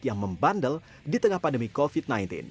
yang membandel di tengah pandemi covid sembilan belas